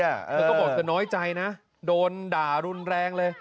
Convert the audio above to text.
เธอก็บอกเธอน้อยใจนะโดนด่ารุนแรงเลย